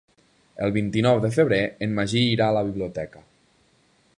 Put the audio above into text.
El vint-i-nou de febrer en Magí irà a la biblioteca.